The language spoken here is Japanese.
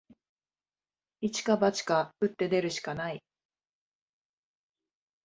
一か八か、打って出るしかない